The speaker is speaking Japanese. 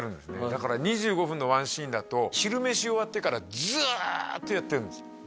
だから２５分のワンシーンだと昼飯終わってからずっとやってるんです